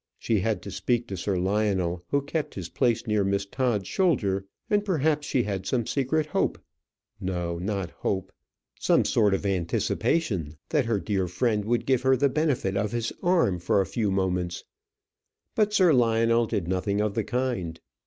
She had to speak to Sir Lionel, who kept his place near Miss Todd's shoulder; and perhaps she had some secret hope no, not hope; some sort of an anticipation that her dear friend would give her the benefit of his arm for a few moments. But Sir Lionel did nothing of the kind.